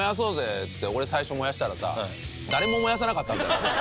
っつって俺最初燃やしたらさ誰も燃やさなかったんだよ。